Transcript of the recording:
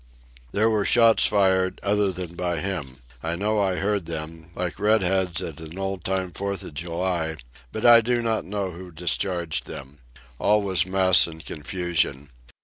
There were shots fired, other than by him. I know I heard them, like "red heads" at an old time Fourth of July; but I do not know who discharged them. All was mess and confusion.